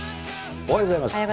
おはようございます。